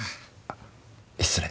失礼。